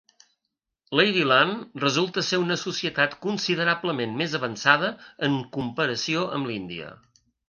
Ladyland resulta ser una societat considerablement més avançada en comparació amb l'Índia.